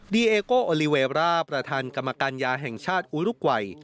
เอโกโอลิเวร่าประธานกรรมการยาแห่งชาติอุรุกวัย